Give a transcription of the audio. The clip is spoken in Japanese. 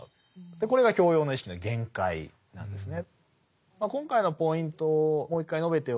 これが教養の意識の限界なんですね。